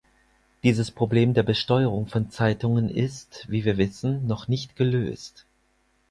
Dieses Problem der Besteuerung von Zeitungen ist, wie wir wissen, noch nicht gelöst.